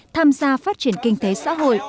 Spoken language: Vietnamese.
tham gia phát triển kinh tế xã hội